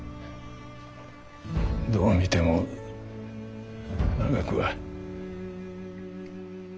どう見ても長くは。